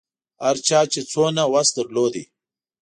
هر چا چې څومره وس درلود.